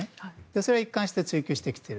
それを一貫して追求している。